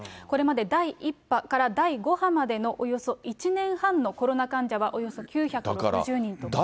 これまで第１波から第５波までのおよそ１年半のコロナ患者はおよそ９６０人と。